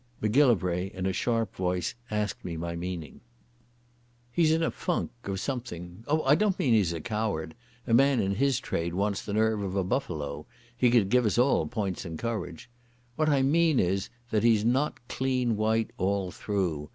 Macgillivray in a sharp voice asked my meaning. "He's in a funk ... of something. Oh, I don't mean he's a coward. A man in his trade wants the nerve of a buffalo. He could give us all points in courage. What I mean is that he's not clean white all through.